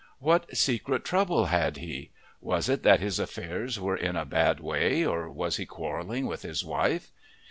What secret trouble had he was it that his affairs were in a bad way, or was he quarrelling with his wife?